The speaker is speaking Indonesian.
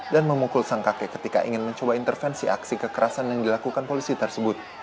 dan memukul sang kakek ketika ingin mencoba intervensi aksi kekerasan yang dilakukan polisi tersebut